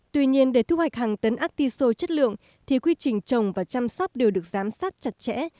tuy nhiên để thu hoạch hàng tấn artiso chất lượng thì quy trình trồng và chăm sóc đều được giám sát chặt chẽ